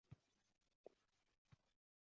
Nima bo`lgan taqdirda ham yaxshi ko`raveramiz